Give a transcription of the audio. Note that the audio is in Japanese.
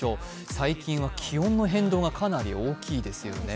最近は気温の変動がかなり大きいですよね。